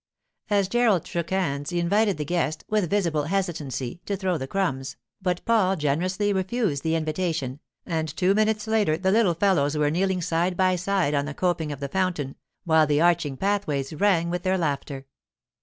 As Gerald shook hands he invited the guest, with visible hesitancy, to throw the crumbs; but Paul generously refused the invitation, and two minutes later the little fellows were kneeling side by side on the coping of the fountain, while the arching pathways rang with their laughter.